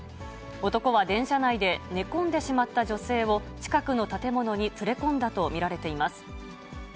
男は電車内で、寝込んでしまった女性を、近くの建物に連れ込んだと見られています。